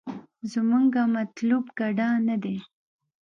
زمونګه مطلوب ګډا نه دې.